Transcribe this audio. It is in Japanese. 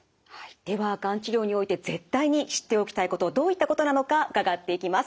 ではがん治療において絶対に知っておきたいことどういったことなのか伺っていきます。